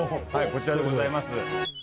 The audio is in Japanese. こちらでございます。